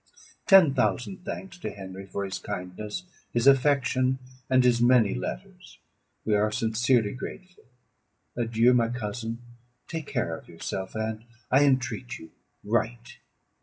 Ten thousand thanks to Henry for his kindness, his affection, and his many letters: we are sincerely grateful. Adieu! my cousin; take care of yourself; and, I entreat you, write!